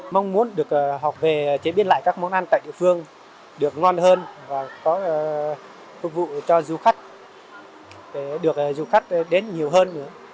mong muốn được học về chế biến lại các món ăn tại địa phương được ngon hơn và có phục vụ cho du khách để được du khách đến nhiều hơn nữa